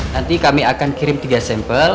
nanti kami akan kirim tiga sampel